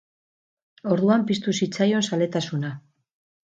Orduan piztu zitzaion zaletasuna.